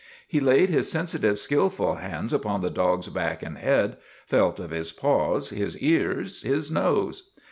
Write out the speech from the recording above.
He laid his sensitive, skilful hands upon the dog's back and head, felt of his paws, his ears, his nose.